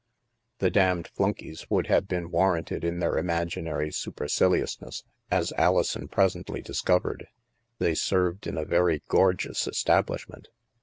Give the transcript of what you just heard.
The damned flunkeys would have been warranted in their imaginary superciliousness, as Alison pres ently discovered. They served in a very gorgeous establishment.